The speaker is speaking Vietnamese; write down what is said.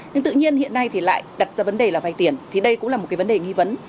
nhưng tự nhiên hiện nay thì lại đặt ra vấn đề là vay tiền thì đây cũng là một cái vấn đề nghi vấn